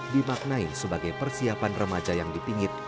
dimaknai sebagai persiapan remaja yang dipingit